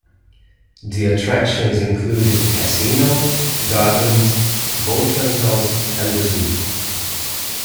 The attractions included a casino, gardens, boat rentals and a zoo.